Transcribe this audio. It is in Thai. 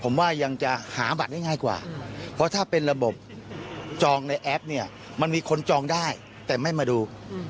มันมีคนจองได้แต่ไม่มาดู